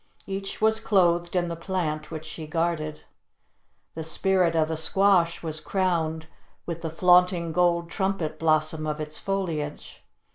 Each was clothed in the plant which she guarded. The Spirit of the Squash was crowned with the flaunting gold trumpet blossom of its foliage.